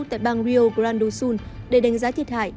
tại bang rio grande do sul để đánh giá thiệt hại